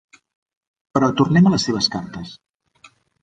Però tornem a les seves cartes.